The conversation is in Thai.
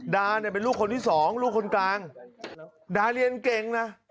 ดาเนี่ยเป็นลูกคนที่สองลูกคนกลางดาเรียนเก่งนะ